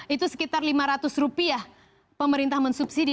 itu sekitar lima ratus rupiah pemerintah mensubsidi